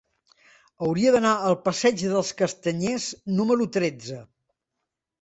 Hauria d'anar al passeig dels Castanyers número tretze.